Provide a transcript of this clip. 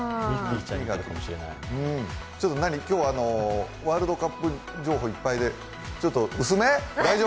今日、ワールドカップ情報いっぱいで薄め？